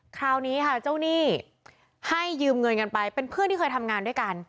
คราวนี้ค่ะเจ้าหนี้ให้ยืมเงินกันไปเป็นเพื่อนที่เคยทำงานด้วยกัน